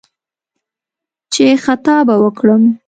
چې «خطا به وکړم»